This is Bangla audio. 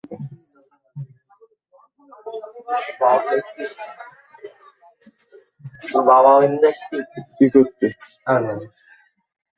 নমস্কার, ম্যাডাম।